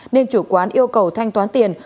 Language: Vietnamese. nên chủ quán yêu cầu thanh toán tiền